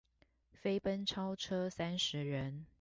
飛奔超車三十人